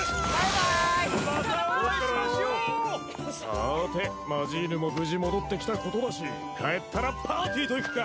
さあてマジーヌも無事戻ってきたことだし帰ったらパーティーといくか！